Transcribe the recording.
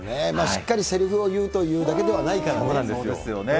しっかりせりふを言うというだけではないからね。